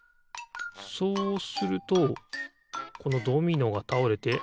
そうするとこのドミノがたおれて。